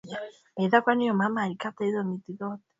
kinawezekana au la Majengo yanapaswa kuwa na